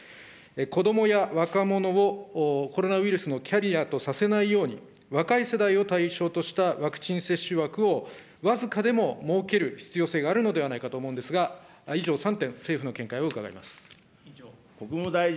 子どもや若者をコロナウイルスのキャリアとさせないように、若い世代を対象としたワクチン接種枠を、僅かでも設ける必要性があるのではないかと思うんですが、以上３点、政府の見解を伺います。